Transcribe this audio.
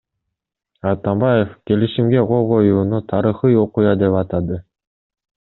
Атамбаев келишимге кол коюуну тарыхый окуя деп атады.